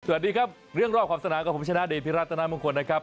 สวัสดีครับเรื่องรอบขอบสนามกับผมชนะเดชพิรัตนามงคลนะครับ